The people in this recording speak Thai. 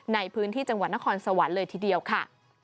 ในพื้นที่จังหวัดนครสวรรค์เลยทีเดียวค่ะ